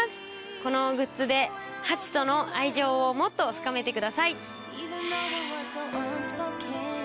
このグッズでハチとの愛情をもっと深めてください。